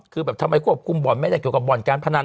คือแบบทำไมควบคุมบ่อนไม่ได้เกี่ยวกับบ่อนการพนัน